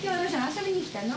遊びに来たの？